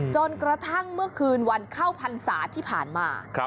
จนกระทั่งเมื่อคืนวันเข้าพรรษาที่ผ่านมา